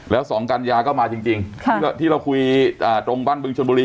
แล้ว๒กัญญาก็มาจริงที่เราคุยตรงบ้านบึงชนบุรี